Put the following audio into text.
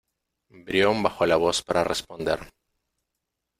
Brión bajó la voz para responder: